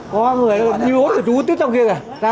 có người như ốt của chú tức trong kia kìa